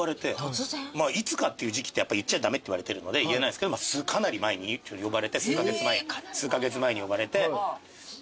いつかっていう時期ってやっぱ言っちゃ駄目って言われてるので言えないですけどかなり前に呼ばれて数カ月前に呼ばれて。